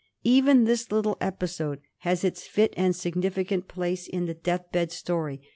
Even this little episode has its fit and signif icant place in the death bed story.